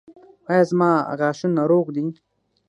ایا زما غاښونه روغ دي؟